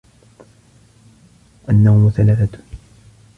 النَّوْمُ ثَلَاثَةٌ